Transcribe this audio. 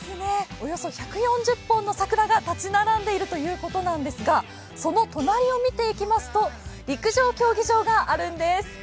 およそ１４０本の桜が立ち並んでいるということなんですが、その隣を見ていきますと、陸上競技場があるんです。